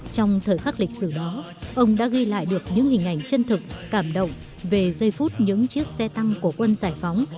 trong thời khắc lịch sử đó ông đã ghi lại được những hình ảnh chân thực cảm động về giây phút những chiếc xe tăng của quân giải phóng